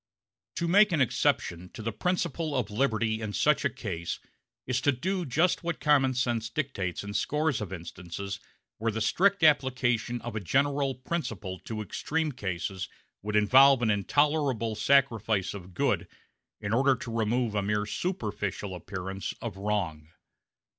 To make an exception to the principle of liberty in such a case is to do just what common sense dictates in scores of instances where the strict application of a general principle to extreme cases would involve an intolerable sacrifice of good in order to remove a mere superficial appearance of wrong.